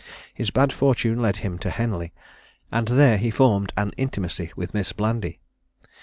His bad fortune led him to Henley, and there he formed an intimacy with Miss Blandy.